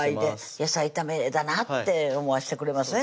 野菜炒めだなって思わせてくれますね